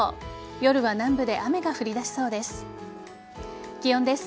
夜は南部で雨が降りだしそうです。